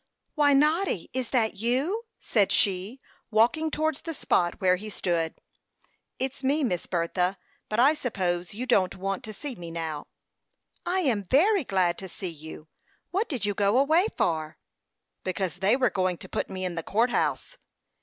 "Why, Noddy, is that you?" said she, walking towards the spot where he stood. "It's me, Miss Bertha; but I suppose you don't want to see me now." "I am very glad to see you. What did you go away for?" "Because they were going to put me in the court house."